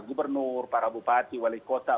gubernur para bupati wali kota